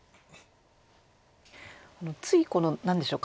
ついこの何でしょう。